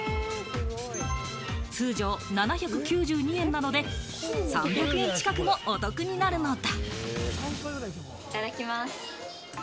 通常７９２円なので、３００円近くもお得になるのだ。